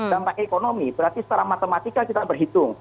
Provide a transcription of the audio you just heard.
dampak ekonomi berarti secara matematika kita berhitung